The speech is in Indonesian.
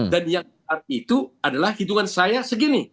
dan yang arti itu adalah hitungan saya segini